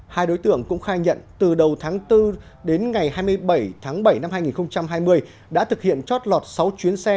hai đối tượng cũng khai nhận từ đầu tháng bốn đến ngày hai mươi bảy tháng bảy năm hai nghìn hai mươi đã thực hiện chót lọt sáu chuyến xe